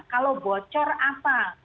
kalau bocor apa